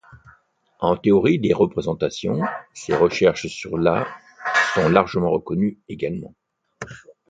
En théorie des représentations, ses recherches sur la sont largement reconnues également.